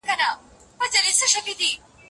تېر او راتلونکی د هغه لپاره یو دی.